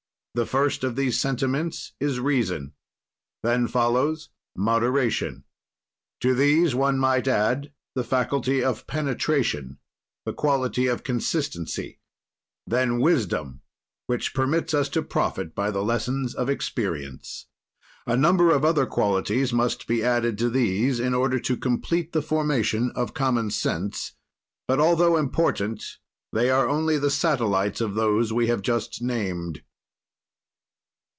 "The first of these sentiments is reason. "Then follows moderation. "To these one may add: "The faculty of penetration; "The quality consistency. "Then, wisdom, which permits us to profit by the lessons of experience. "A number of other qualities must be added to these, in order to complete the formation of common sense; but, altho important, they are only the satellites of those we have just named.